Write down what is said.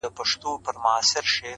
ډبري غورځوې تر شا لاسونه هم نیسې